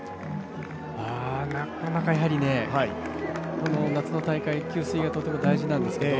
やはり、この夏の大会給水がとても大事なんですけど